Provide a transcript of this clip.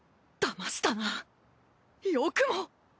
だましたなよくも。